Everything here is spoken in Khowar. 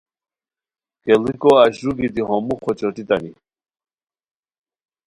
کیڑیکو اشرو گیتی ہو موخہ چوٹیتانی